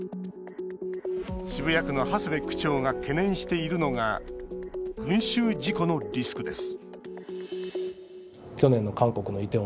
渋谷区の長谷部区長が懸念しているのが群集事故のリスクです